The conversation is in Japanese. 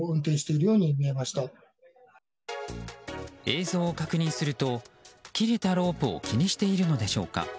映像を確認すると切れたロープを気にしているのでしょうか。